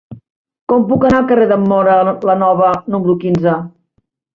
Com puc anar al carrer de Móra la Nova número quinze?